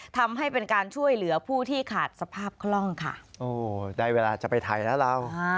ทำให้เป็นการช่วยเหลือผู้ที่ขาดสภาพคล่องค่ะโอ้ได้เวลาจะไปไทยแล้วเรา